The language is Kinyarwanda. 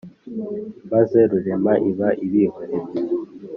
maze rurema iba ibihoreye